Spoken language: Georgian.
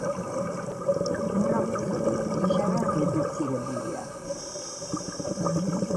უმრავლესობის ნიჟარა რედუცირებულია.